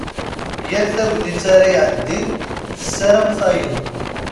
Yal tagnit ara iɛeddin tessaram tayeḍ.